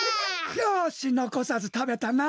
よしのこさずたべたな。